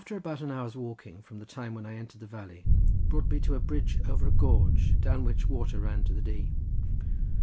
About an hour's walking, from the time when I entered the valley, brought me to a bridge over a gorge, down which water ran to the Dee.